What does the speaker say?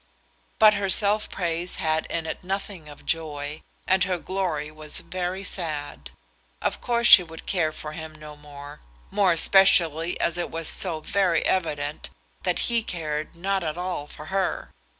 But her self praise had in it nothing of joy, and her glory was very sad. Of course she would care for him no more, more especially as it was so very evident that he cared not at all for her.